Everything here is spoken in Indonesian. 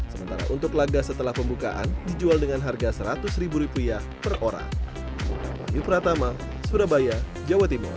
sementara untuk laga setelah pembukaan dijual dengan harga rp seratus per orang